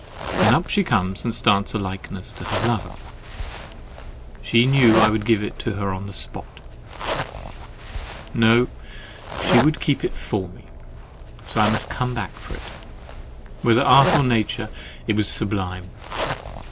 Then up she comes and starts a likeness to her lover: she knew I should give it her on the spot—"No, she would keep it for me!" So I must come back for it. Whether art or nature, it is sublime.